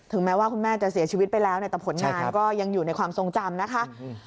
แม้ว่าคุณแม่จะเสียชีวิตไปแล้วเนี่ยแต่ผลงานก็ยังอยู่ในความทรงจำนะคะ